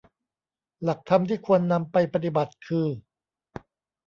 หลักธรรมที่ควรนำไปปฏิบัติคือ